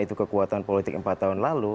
itu kekuatan politik empat tahun lalu